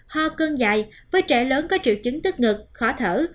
ho cơn dài với trẻ lớn có triệu chứng tức ngực khó thở